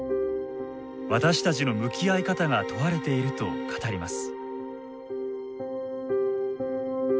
私たちの向き合い方が問われていると語ります。